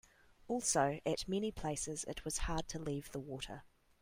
Also, at many places it was hard to leave the water.